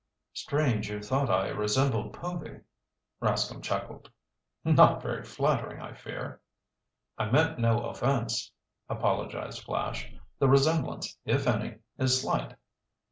"Strange you thought I resembled Povy," Rascomb chuckled. "Not very flattering, I fear." "I meant no offense," apologized Flash. "The resemblance, if any, is slight."